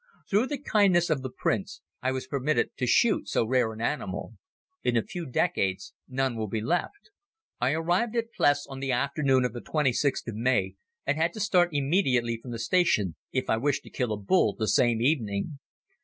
Through the kindness of the Prince I was permitted to shoot so rare an animal. In a few decades none will be left. I arrived at Pless on the afternoon of the twenty sixth of May and had to start immediately from the station if I wished to kill a bull the same evening.